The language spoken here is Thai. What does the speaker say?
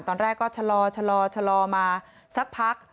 ตอนแรกก็ชะลอมาสักพัก